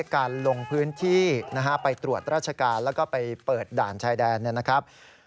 การลงพื้นที่นะฮะไปตรวจราชการแล้วก็ไปเปิดด่านชายแดนนะครับ